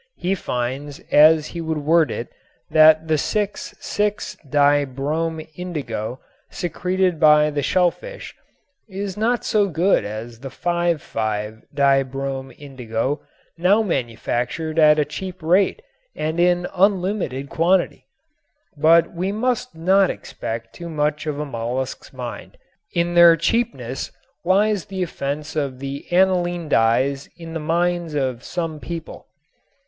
He finds as he would word it that the 6:6' di brom indigo secreted by the shellfish is not so good as the 5:5' di brom indigo now manufactured at a cheap rate and in unlimited quantity. But we must not expect too much of a mollusk's mind. In their cheapness lies the offense of the aniline dyes in the minds of some people.